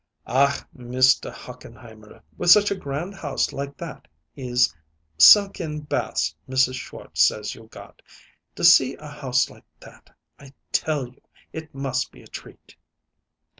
"Ach, Mr. Hochenheimer, with such a grand house like that is sunk in baths Mrs. Schwartz says you got! To see a house like that, I tell you it must be a treat."